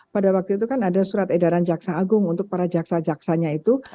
pada waktu itu kan ada surat edaran jaksa agung untuk para jaksa jaksanya itu